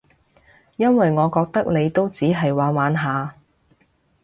因為我覺得你都只係玩玩下